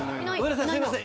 すいません。